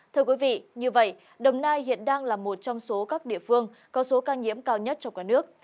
thưa quý vị như vậy đồng nai hiện đang là một trong số các địa phương có số ca nhiễm cao nhất trong cả nước